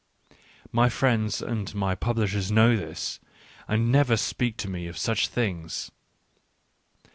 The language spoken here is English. > My friends and my publishers know this, and never speak to me of such things.